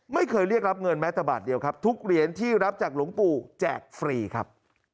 ไม่เคยเรียกรับเงินแม้แต่บาทเดียวครับทุกเหรียญที่รับจากหลวงปู่แจกฟรีครับ